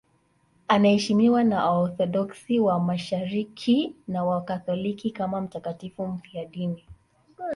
Anaheshimiwa na Waorthodoksi wa Mashariki na Wakatoliki kama mtakatifu mfiadini.